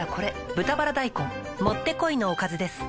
「豚バラ大根」もってこいのおかずです